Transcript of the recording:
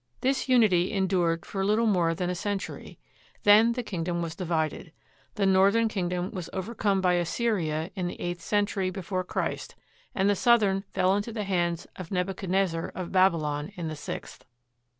This unity endured for little more than a century. Then the kingdom was divided. The northern kingdom was overcome by Assyria in the eighth century before Christ; and the southern fell into the hands of Nebuchadnezzar of Babylon in the sixth.